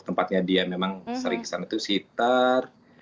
tempatnya dia memang sering kesana itu siter